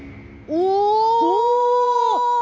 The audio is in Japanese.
お！